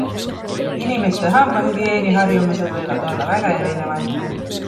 Inimeste hambahügieeniharjumused võivad olla väga erinevad.